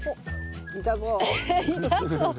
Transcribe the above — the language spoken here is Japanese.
痛そう。